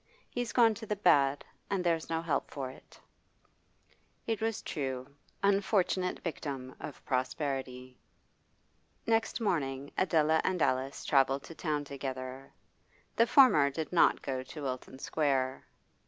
'He's gone to the bad, and there's no help for it.' It was true; unfortunate victim of prosperity. Next morning Adela and Alice travelled to town together. The former did not go to Wilton Square.